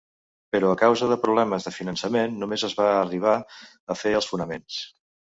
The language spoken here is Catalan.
Però a causa de problemes de finançament només es van arribar a fer els fonaments.